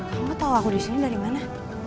kamu tau aku disini dari mana